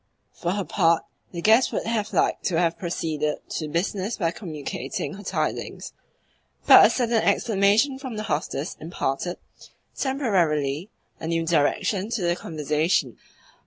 '" For her part, the guest would have liked to have proceeded to business by communicating her tidings, but a sudden exclamation from the hostess imparted (temporarily) a new direction to the conversation.